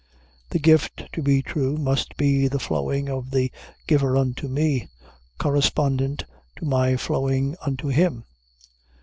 The gift, to be true, must be the flowing of the giver unto me, correspondent to my flowing unto him.